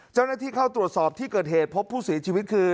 เจ้าหน้าที่เข้าตรวจสอบที่เกิดเหตุพบผู้เสียชีวิตคือ